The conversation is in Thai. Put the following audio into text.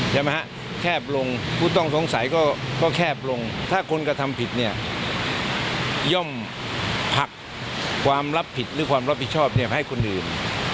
ย่อมผลักความรับผิดหรือความรับผิดชอบให้คนอื่น